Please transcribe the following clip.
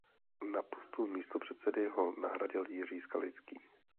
Na postu místopředsedy ho nahradil Jiří Skalický.